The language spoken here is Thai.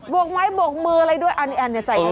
บวกม้ายบวกอะไรด้วยอันน่ะ